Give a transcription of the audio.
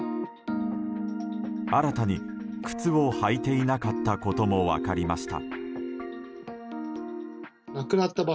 新たに靴を履いていなかったことも分かりました。